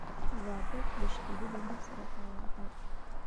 رابرټ له شکېدلي مخ سره تاو راتاو شو.